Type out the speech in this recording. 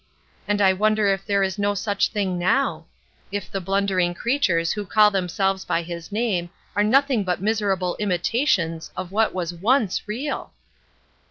And I wonder if there is no such thing now? If the blundering creatures who call themselves by his name are nothing but miserable imitations of what was once real?